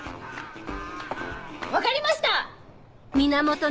分かりました！